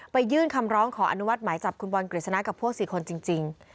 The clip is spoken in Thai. ยื่นคำร้องขออนุมัติหมายจับคุณบอลกฤษณะกับพวก๔คนจริง